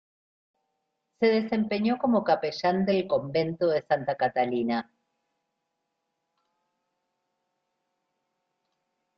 Se desempeñó como capellán del Convento de Santa Catalina.